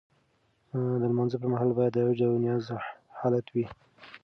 د لمانځه پر مهال باید د عجز او نیاز حالت وي.